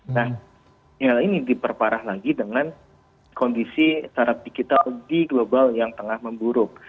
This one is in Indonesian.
nah hal ini diperparah lagi dengan kondisi startup digital di global yang tengah memburuk